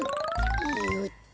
よっと。